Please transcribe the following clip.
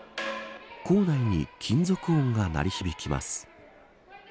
構内に金属音が鳴り響きます。